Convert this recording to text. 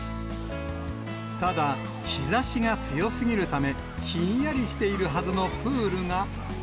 ただ、日ざしが強すぎるため、ひんやりしているはずのプールが。